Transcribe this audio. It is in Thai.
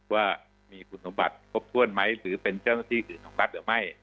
ว่ามีคุณสมบัติครบถ้วนไหมหรือเป็นเจ้าหน้าที่อื่นของรัฐหรือไม่